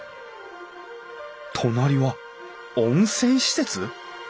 隣は温泉施設？